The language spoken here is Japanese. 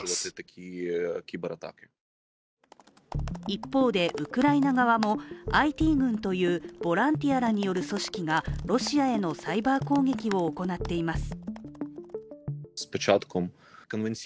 一方でウクライナ側も、ＩＴ軍というボランティアらによる組織がロシアへのサイバー攻撃を行っています。